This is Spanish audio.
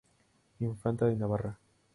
Infanta de Navarra.